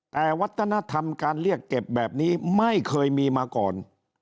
แต่วัฒนธรรมการเรียกเก็บแบบนี้ไม่เคยมีมาก่อน